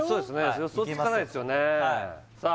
予想つかないですよねさあ